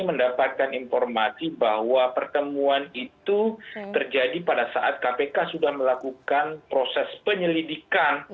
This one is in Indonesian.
mendapatkan informasi bahwa pertemuan itu terjadi pada saat kpk sudah melakukan proses penyelidikan